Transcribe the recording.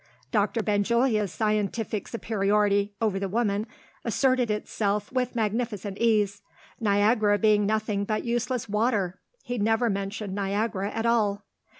Doctor Benjulia's scientific superiority over the woman asserted itself with magnificent ease. Niagara being nothing but useless water, he never mentioned Niagara at all.